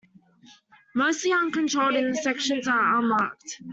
Mostly, uncontrolled intersections are unmarked.